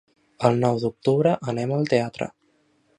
El nou d'octubre anem al teatre.